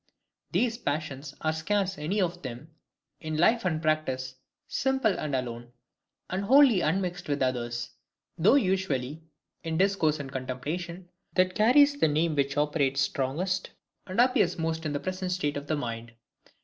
These passions are scarce any of them, in life and practice, simple and alone, and wholly unmixed with others; though usually, in discourse and contemplation, that carries the name which operates strongest, and appears most in the present state of the mind.